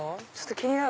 気になる！